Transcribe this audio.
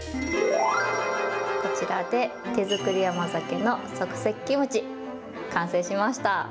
こちらで、手作り甘酒の即席キムチ、完成しました。